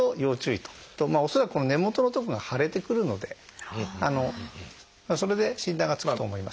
恐らくこの根元のとこが腫れてくるのでそれで診断がつくと思います。